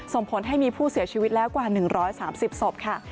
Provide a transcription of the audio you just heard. ส่งผลให้มีผู้เสียชีวิตแล้วกว่า๑๓๐ศพค่ะ